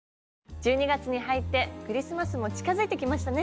１２月に入ってクリスマスも近づいてきましたね。